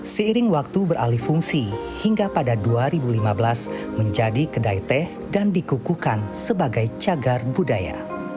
seiring waktu beralih fungsi hingga pada dua ribu lima belas menjadi kedai teh dan dikukukan sebagai cagar budaya